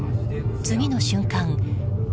次の瞬間